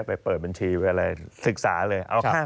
ไปเปิดบันทรีย์ไว้ศึกษาเลย